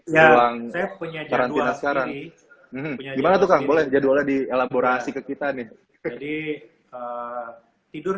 yang saya punya jadwal sekarang gimana tuh kang boleh jadwal di elaborasi ke kita nih jadi tidur